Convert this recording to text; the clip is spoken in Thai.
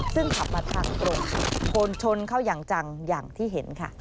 ซึ่งขับมาทางตรงค่ะชนชนเข้าอย่างจังอย่างที่เห็นค่ะ